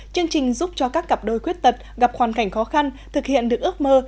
chương trình giúp cho các cặp đôi khuyết tật gặp hoàn cảnh khó khăn thực hiện được ước mơ